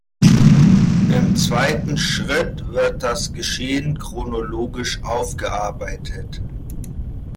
Im zweiten Schritt wird das Geschehen chronologisch aufgearbeitet.